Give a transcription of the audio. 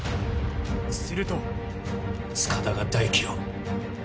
すると塚田が大樹を。